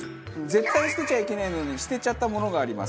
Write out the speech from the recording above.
絶対捨てちゃいけないのに捨てちゃったものがあります。